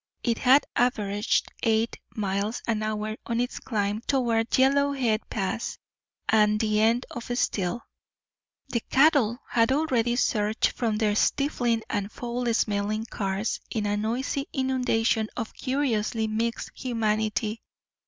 It had averaged eight miles an hour on its climb toward Yellowhead Pass and the end of steel. The "cattle" had already surged from their stifling and foul smelling cars in a noisy inundation of curiously mixed humanity.